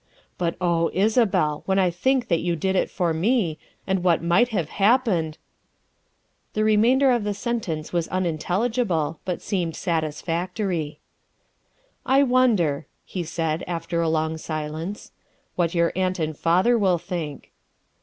But, oh, Isabel, when I think that you did it for me, and what might have happened " The remainder of the sentence was unintelligible, but seemed satisfactory. '' I wonder, '' he said after a long silence, '' what your aunt and father will think."